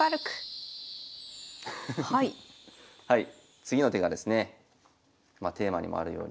次の手がですねまテーマにもあるように。